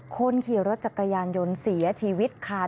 คนขี่รถจักรยานยนต์เสียชีวิตค่ะ